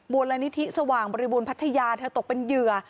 มูลนิธิสว่างบริบูรณพัทยาเธอตกเป็นเหยื่อ